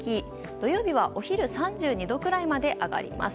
土曜日はお昼、３２度くらいまで上がります。